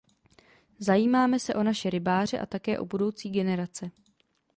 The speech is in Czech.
Zajímáme se o naše rybáře a také o budoucí generace.